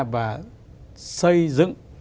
và xây dựng